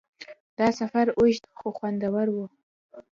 دا سفر اوږد خو خوندور و.